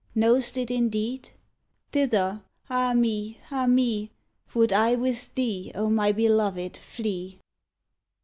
Know'st it indeed? Thither, ah, me! ah, me! Would I with thee, O my belovéd, flee.